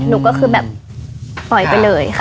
หนูก็คือแบบปล่อยไปเลยค่ะ